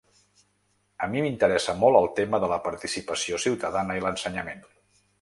A mi m’interessa molt el tema de la participació ciutadana i l’ensenyament.